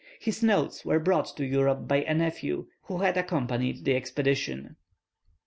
His notes were brought to Europe by a nephew, who had accompanied the expedition.